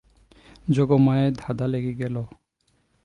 যোগমায়ার ধাঁধা লেগে গেল।